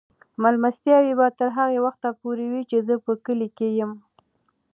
مېلمستیاوې به تر هغه وخته وي چې زه په کلي کې یم.